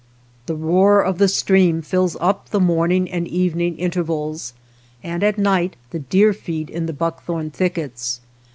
The roar of the stream fills up the morning and evening intervals, and at night the deer feed in the buckthorn thickets.